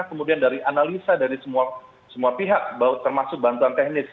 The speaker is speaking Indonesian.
kemudian dari analisa dari semua pihak termasuk bantuan teknis